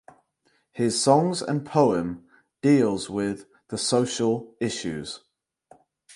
His songs and poem deals with the social issues.